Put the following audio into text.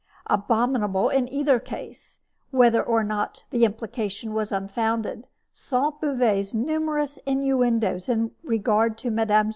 Abominable in either case, whether or not the implication was unfounded, Sainte Beuve's numerous innuendoes in regard to Mme.